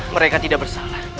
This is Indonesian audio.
mereka tidak bersalah